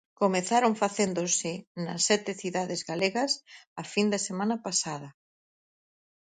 Comezaron facéndose nas sete cidades galegas a fin de semana pasada.